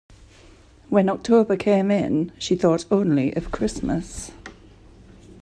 When October came in, she thought only of Christmas.